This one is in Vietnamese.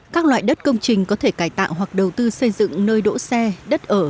các loại đất công trình có thể cải tạo hoặc đầu tư xây dựng nơi đỗ xe đất ở